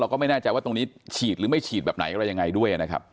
ก็ไม่แน่ใจว่าตรงนี้ฉีดหรือไม่ฉีดแบบไหนอะไรยังไงด้วยนะครับ